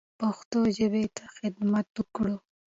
پښتو ژبې ته خدمت وکړو.